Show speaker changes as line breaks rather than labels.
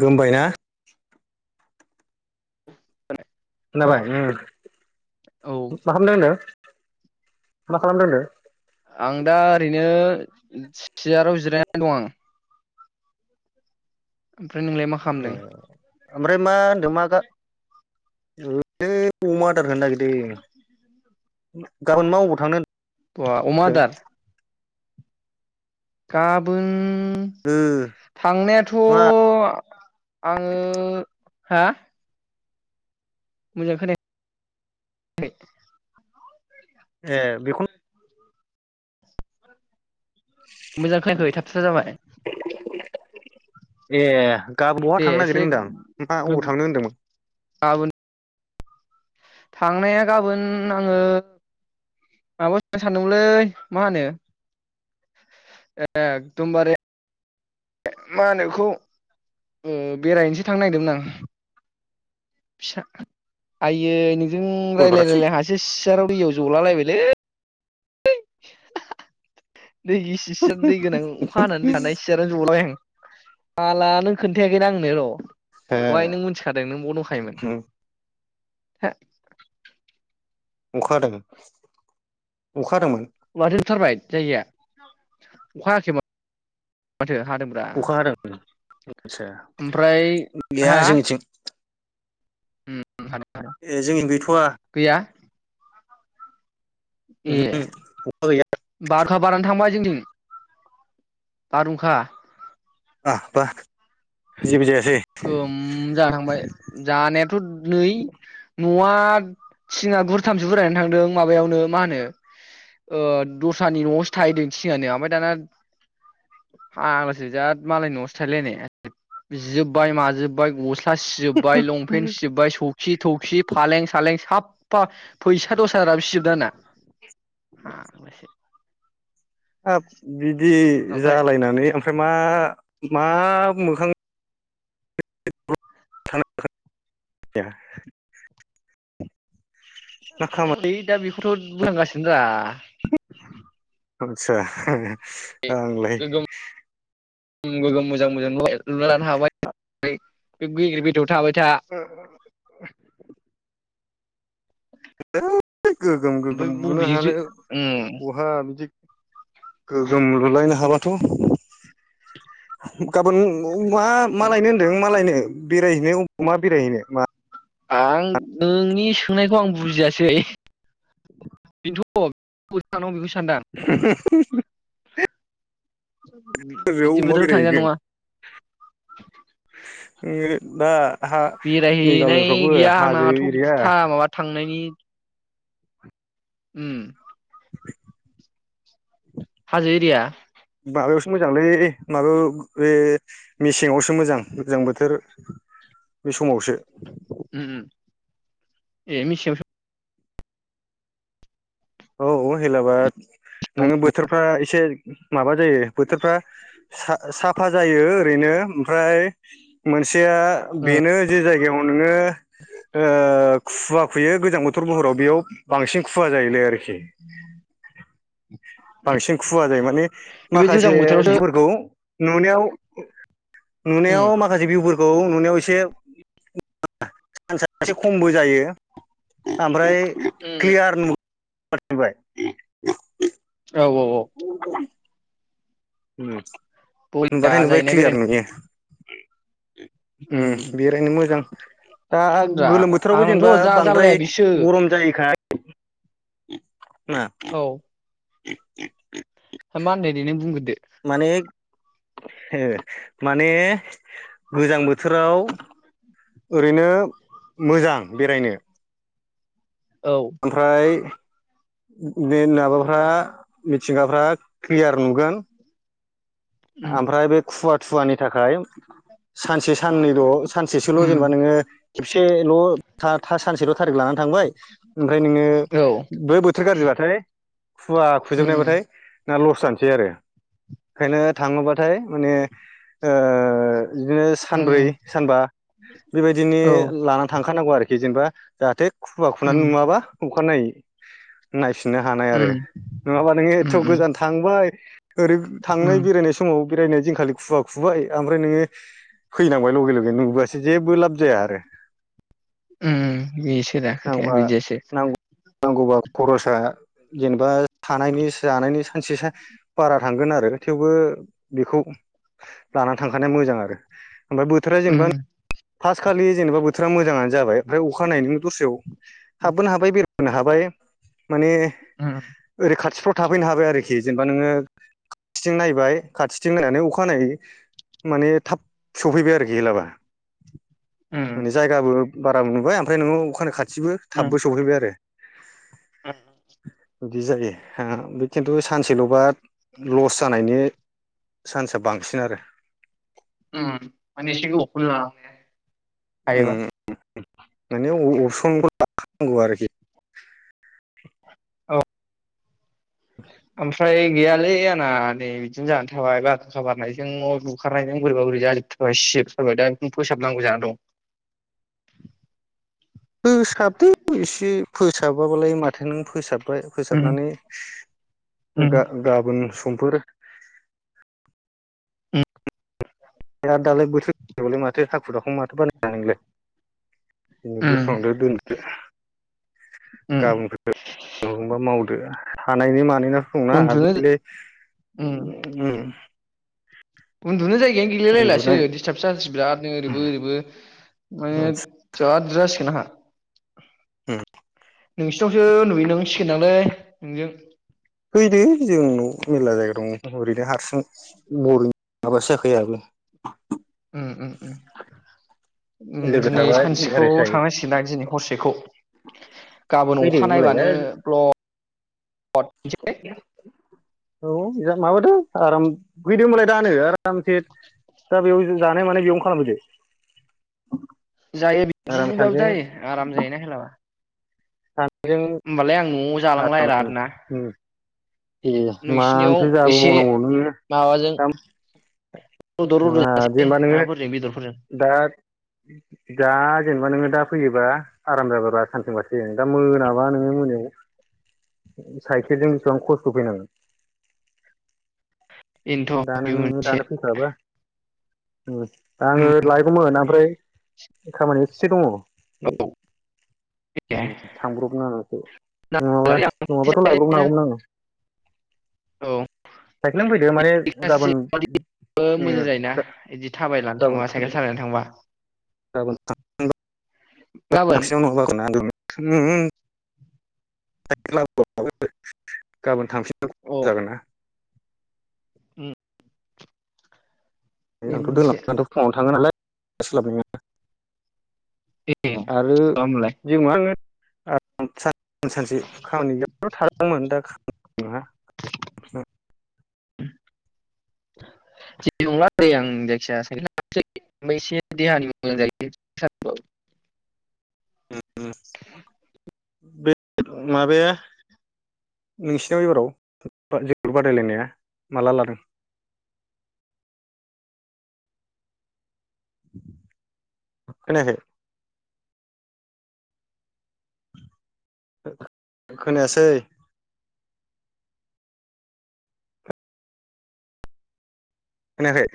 गोमबाय ना
[inaudible]
खोनाबाय मा
औ
खालामदों होनदों मा खालामदों होनदों
आं दा ओरैनो सियाराव जिरायनानै दं आं ओमफ्राय नोंलाय मा
होनदों?
खालामदों
ओमफ्राय मा [unintelligible] [unintelligible] [unintelligible] गाबोन मा अबाव थांनो
बा अमा आदार गाबोन उम
ओ
थांनायाथ'
मा
आङो हा मोजां खोनायाखै
ए बेखौनो
मोजां खोनायाखै थाबथा थुबथा जाबाय
ए गाबोन बावहा
दे
थांनो
एसे
नागिरदों होनदों अबाव
गोगो
थांनो होन्दोंमोन
गाबोन थांनाया गाबोन आङो माबानो सानदोंमोनलै मा होनो ए एकदमबारे मा होनोखौ बेरायैनोसै थांनो नागिरदोंमोन आं फिसा आइयै जों रायज्लाय
गवालपाराथिं
रायलाय हासे सियाराव दैयाव जला लायबाय लै [unintelligible] दै गिसे सि दै गोनां अखा हानानै दै हानाय सियानो जलबाय आं फाग्ला नों खोन्थायाखैना आंनो र बहाय
ए
नों मिथिखादों नों बाव दंखायोमोन
उम
हो
अखा हादों अखाफोर
[unintelligible] थारबाय जायगाया अखा हायाखैमोन माथो हादोंब्रा
अखा हादों आदसा
ओमफ्राय
गैया
हा
जोंनिथिं
उम हादों
ए जोंनि गैथ'वा
गैया
ओहो अखा‌ गैया
हुंखा बारानो थांबाय जोंनिथिं बारहुंखा
आ बा जेबो जाया
गोम जा थांबाय जानायाथ' नै न'आ थिङा गुरथामसो बुरायनानै थांदों माबायावनो मा होनो ओ दस्रानि न'आवसो थाहैदों थिङानो ओमफ्राय दाना फाग्लासो बिराद मालायनि न'आवसो थाहैलायनाय बिसिजों बाय माजोब्बाय ग सिजोब्बाय लंपेन सिजोब्बाय सौखि थौखि फालें सालें साब फा फैसा दसजाराबो सिजोबदो आंना फाग्लासो
बिदाफंबाइ दि
ओमफ्राय
जालायनानै ओ ओमफ्राय मा मा मोखां [unintelligible] खामानि
ओइ दा बे औथ' बुंहांगासिनो दा
आदसा। आंलाय
उम गोगोम मोजां मोजां लुबाय लुना लानो हाबाय बे गेग्रेबाव गेजेराव थाबाय था।
[unintelligible] गोगोम
ओमफ्राय
गोगोम लुनो
बबेजोंसो
हानो बहा बिदि गोगोम लुलांनो हाबाथ' गाबोन औ मा मा
उम
मालायनो होनदों मा मालायनो बेराय मायाव मा बेरायहैनो मा
आं नोंनि सोंनायखौ आं बुजियासै। [inaudible]
[inaudible] हाजोआव
बिदि
अबाव
बोथोराव थांजानाय
बेरायहैगोन
नङा।
[unintelligible] मेघालयफ्रावबो
बेरायहैनाय गैया
हाजो
आंनाथ' बिदि
एरिया
था माबा थांनायनि उम। हाजो एरिया
माबायावसो मोजांलै माबायाव बे मेसेङावसो मोजां गोजां बोथोर बे समावसो।
उम उम ए मेसेंआवसो।
औ हेलाबाद नोङो बोथोरफ्रा एसे माबा जायो बोथोरफ्रा सा-साफा जायो ओरैनो ओमफ्राय मोनसे आ बेनो जे जायगा बेयाव नोङो ओ खुवा खुयो गोजां बोथोर बहराव बांसिन खुवा जायोलै। बांसिन खुवा जायो माने
बेबायदि गोजां बोथोरावसो
माखासेफोरखौ नुनायाव नुनायाव
उम
माखासे भिउफोरखौ नुनायाव एसे चान्सआ एसे खमबो जायो ओमफ्राय क्लियार नु [unintelligible]
औ औ औ।
उम।
बरिया
नुबाथाय नुबाय
जाहैनाय
क्लियार
बेरायनो
नुयो उम बेरायनो मोजां दा
रा
गोलोम बोथोरावबो
आंथ'
जेनेबा
जा जारलाया
बांद्राय
बिसो
गरम जायोखा ना
औ
[unintelligible]
मा होननाय दे नों बुंग्रोदो?
माने ए माने गोजां बोथोराव ओरैनो मोजां बेरायनो
औ
ओमफ्राय बे माबाफ्रा मिथिंगाफ्रा क्लियार नुगोन।
उम
ओमफ्राय बे खुवा खुवानि थाखाय सानसे साननैल' सानसेसोल'
उम
जेनेबा नोङो खेबसेल' था सानसेल' थारिख लानानै थांबाय ओमफ्राय नोङो
औ
बे बोथोर गाज्रिबाथाय खुवा
उम
खुजोबनायबाथाय ना लस जानोसै आरो ओंखायनो थाङोबाथाय माने ओ बिदिनो
उम
सानब्रै सानबा बेबायदिनो
औ
लानानै थांखानांगौ आरोखि। दे जेनबा जाहाथे खुुवा खुनानै
उम
नुवाबा अखानायै नाय सनो हानाय आरो
उम
नङाबा नोङो
उम
एथ'
उम
गोजान थांबाय ओरै थांनाय
उम
बेरायनाय बेरायनाय दिनखालि खुुवा खुबाय ओमफ्राय नोङो फैनांबाय लगे लगे नुबोआसै जेबो लाब जाया आरो।
उम बेसो दा खोथाया
नांबा
बिदियासो
नांगौ नांगौबा खरसा जेनेबा थानायनि जानायनि सानसे सानसे बारा थांगोन आरो थेवबो बेखौ ला थांखानाया मोजां आरो। ओमफ्राय बोथोरा जेनेबा
उम
फार्स्ट खालि जेनेबा बोथोरा मोजाङानो जाबाय ओमफ्राय अखानायै नों दस्रायाव हाबबोनो हाबाय बे बेरायबोनो हाबाय। माने
उम
ओरै खाथिफ्राव थाफैनो हाबाय आरोखि जेनेबा नोङो खाथिथिं नायबाय खाथिथिं नायनानै अखानायै माने थाब सफैबाय आरोखि हेलाबा [inaudible]
उम
मानि जायगाबो। बाराबो नुबाय ओमफ्राय नों अखानि खा इथिबो थाबबो सौहैबाय आरो।
उ।
बिदि जायो हा बि खिन्थु सानसेल'बा लस जानायनि चान्सा बांसिन आरो।
उम माने एसे गोबावखौनो लाबाय आरो। हायोबा?
[unintelligible]
ओ। ओमफ्राय गैयालै आंना नै बिदिनो जाना थाबाय बारहुंखा बारनायजों न' बुखारनायजों बोरैबा बोरैबि जाजोबथारबाय सिजोबथारबाय दा बेखौनो फोसाबनांगौ जाना दं।
फोसाबदो एसे फोसाबाबालाय माथो नों फोसाब फाय
उम
फोसाबनानै
उम
गा गाबोन स समफोर
उ।
दालाय [unintelligible] माथो हाखु दाखु माथो बानायनो हानो नोंलाय बिनो बोस्रांदो
उम
दोनदो गाबोनखौ बा मावदो। हानायनि मानि न
उन्दुनो उम
[unintelligible]
उन्दुनो जाय गायानो गैलाय लायलासो
उन्दुनाय
दिस्थाबसो जानोसै बिरादनो ओरैबो ओरैबो माने जाद जासिगोन आहा।
उम।
नोंसिनावसो नुयोनांसिगोन दांलै नोंजों।
फैदो जोंनाव मेरला जायगा दं ओरैनो हारसिं बरिं माबासो जाखायो आहाबो।
उ उ उ उम
लोगो
दिनै
थाबा
सानसेखौ
इन्टारेस्ट जायो
थांनांसिगोन दां दिनै हरसेखौ गाबोन
फैदो
अखा नायबानो
होमबालाय
ब्ल
औ [unintelligible] माबादो। आराम फैदो होनबालाय दानो आरामसे दा बेयाव जों जानाय मानाय बेयावनो खालामफैदो।
जायो
आराम
बिदिजोंबाबो
सानैजों
जायो आराम जायोना होलाबा।
था
होमबालाय आं न'आव जालांलायला आरो ना।
ए
नोंसिनियाव
मानोथो
एसे
जाबोबावनांगौ नोङो
माबाजों
दा
रद' रद'
ओ जेनेबा नोङो
माबाफोरजों बेदरफोरजों
दा दा जेनेबा नोङो दा फैयोबा आराम जागोन सानथिं बाथिं दा मोनाबा नोङो मोनायाव साइकेलजों बिसेबां खस्थ स्थ' फैनांगोन। दा
बेनोथ' बे
नोङो
मोनसे
दानो फैखाबा ओ दा आङो लायगौमोन ओमफ्राय खामानिया एसे दङ। ओ थांब्रबनांगोनसो ओ नङाबा नङाबाथ' लायब्रबनो हागौमोन आङो साइकेलानो फैदो माने
गासि
गाबोन
[unintelligible]
उम
मोजां जायोना बिदि थाबायनानै
गाबोन
थांबा साइकेल सालायनानै थांबा।
गाबोन [unintelligible]
गाबोन
[unintelligible] [unintelligible] [inaudible] गाबोन थांफि
अ
जागोना
बे
आंथ' दोनला
मोनसे
[inaudible] [unintelligible] आंथ' फुंआवनो थाङो नालाय [unintelligible]
ए
आरो
होमबालाय
जों मा होन [unintelligible]
जेबो नंला दे आं जायखिजया [inaudible] एसे देहानि मोजां जायो [unintelligible]
[unintelligible] बे माबाया नोंसिनाव एबाराव जोलुर बादायलायनाया माला लादों? खोनायाखै खोनायासै खोनायाखै?